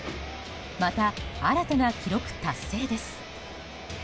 また新たな記録達成です。